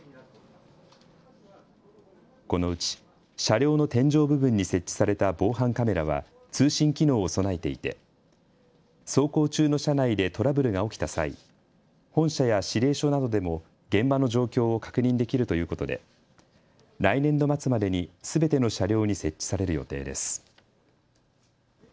このうち車両の天井部分に設置された防犯カメラは通信機能を備えていて走行中の車内でトラブルが起きた際、本社や指令所などでも現場の状況を確認できるということで、来年度末までにすべての車両に設置される予定です。